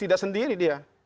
tidak sendiri dia